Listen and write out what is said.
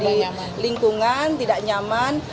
banyak lingkungan tidak nyaman